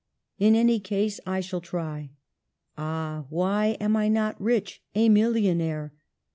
In any case I shall try. Ah, why am I not rich, a millionaire?